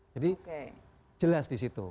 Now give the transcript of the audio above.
jadi jelas disitu